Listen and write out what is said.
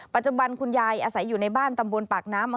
ปัจจุบันคุณยายอาศัยอยู่ในบ้านตำบลปากน้ำ